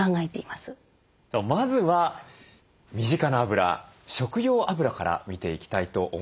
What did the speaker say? まずは身近なあぶら食用あぶらから見ていきたいと思います。